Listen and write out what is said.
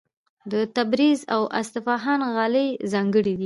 د تبریز او اصفهان غالۍ ځانګړې دي.